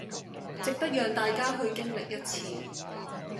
值得讓大家去經歷一次